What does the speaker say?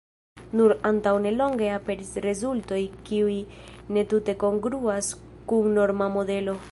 Nur antaŭnelonge aperis rezultoj kiuj ne tute kongruas kun norma modelo.